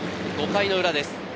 ５回の裏です。